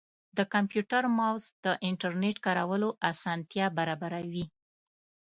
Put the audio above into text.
د کمپیوټر ماؤس د انټرنیټ کارولو اسانتیا برابروي.